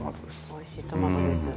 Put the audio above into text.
おいしいトマトです。